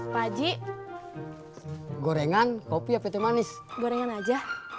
pakji gorengan kopi apetek manis gorengan aja